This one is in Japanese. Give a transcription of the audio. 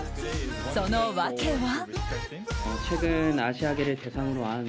その訳は？